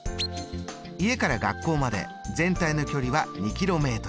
家から学校まで全体の距離は２ｋｍ。